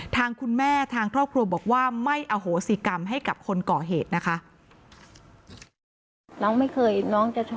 ทางคุณแม่ทางครอบครัวบอกว่าไม่อโหสิกรรมให้กับคนก่อเหตุนะคะ